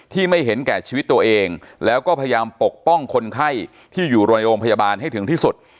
ไม่เห็นแก่ชีวิตตัวเองแล้วก็พยายามปกป้องคนไข้ที่อยู่โดยโรงพยาบาลให้ถึงที่สุด